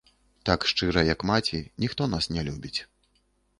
Так шчыра, як маці, ніхто нас не любіць.